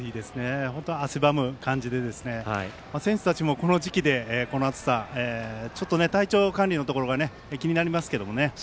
汗ばむ感じで選手たちもこの時期でこの暑さちょっと体調管理のところが気になりますけどね。